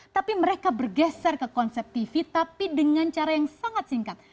tapi mereka bergeser ke konsep tv tapi dengan cara yang sangat singkat